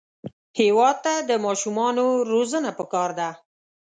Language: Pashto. هېواد ته د ماشومانو روزنه پکار ده